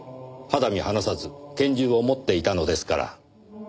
肌身離さず拳銃を持っていたのですから。